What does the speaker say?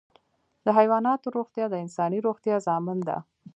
د حیواناتو روغتیا د انساني روغتیا ضامن ده.